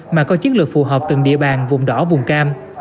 mà có chiến lược phù hợp từng địa bàn vùng đỏ vùng cam